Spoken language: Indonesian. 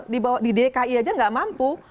di dki aja tidak mampu